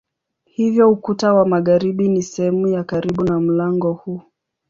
Hivyo ukuta wa magharibi ni sehemu ya karibu na mlango huu.